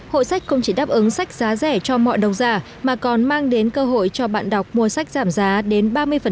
hội sách không chỉ đáp ứng sách giá rẻ cho mọi độc giả mà còn mang đến cơ hội cho bạn đọc mua sách giảm giá đến ba mươi